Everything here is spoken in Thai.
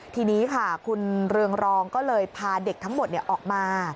ทีนี้ค่ะคุณเรืองรองก็เลยพาเด็กทั้งหมดออกมา